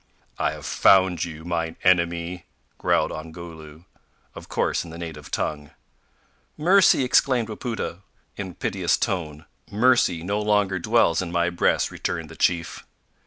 "I have found you, mine enemy," growled Ongoloo of course in the native tongue. "Mercy!" exclaimed Wapoota, in a piteous tone. "Mercy no longer dwells in my breast," returned the chief.